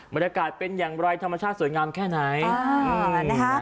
บรรยากาศเป็นอย่างไรธรรมชาติสวยงามแค่ไหน